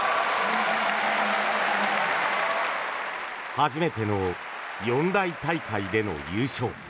初めての四大大会での優勝。